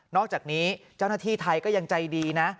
อกจากนี้เจ้าหน้าที่ไทยก็ยังใจดีนะ